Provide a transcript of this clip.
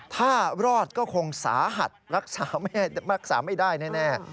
ถ้ารอดก็คงสาหัสรักษาไม่ได้แน่